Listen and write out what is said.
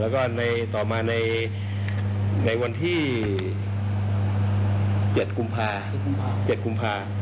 แล้วก็ต่อมาในวันที่๗กุมภาคม